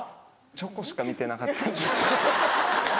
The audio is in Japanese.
チョコしか見てなかった。